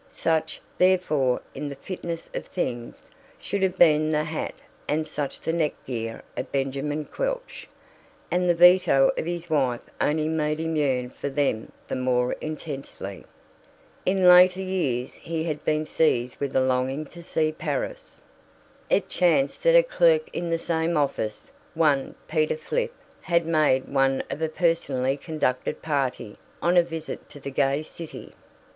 Such, therefore, in the fitness of things, should have been the hat and such the neck gear of Benjamin Quelch, and the veto of his wife only made him yearn for them the more intensely. In later years he had been seized with a longing to see Paris. It chanced that a clerk in the same office, one Peter Flipp, had made one of a personally conducted party on a visit to the gay city.